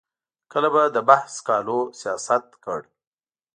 کله به د بحث سکالو سیاست کړ.